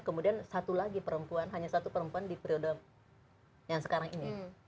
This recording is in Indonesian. kemudian satu lagi perempuan hanya satu perempuan di periode yang sekarang ini